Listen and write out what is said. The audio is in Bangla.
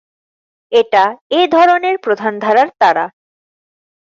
এটা এ-ধরনের প্রধান ধারার তারা।